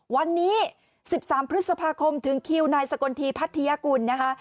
วันนี้๑๓พฤษภาคมถึงคิวนายสกลทีพัทยากุลนะคะ